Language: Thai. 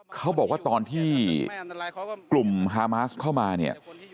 เขาบอกว่าตอนที่กลุ่มฮามาสเข้ามาเนี่ย